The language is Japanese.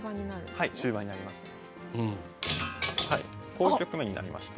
こういう局面になりまして。